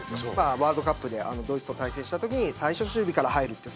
ワールドカップでドイツと対戦したときに最初は守備から入る。